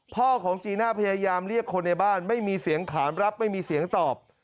พ่อของจีน่าพยายามเรียกคนในบ้านไม่มีเสียงขานรับไม่มีเสียงตอบ